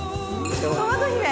トマト姫。